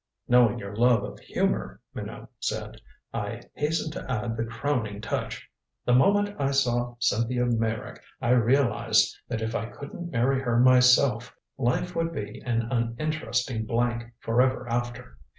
"Knowing your love of humor," Minot said, "I hasten to add the crowning touch. The moment I saw Cynthia Meyrick I realized that if I couldn't marry her myself life would be an uninteresting blank forever after.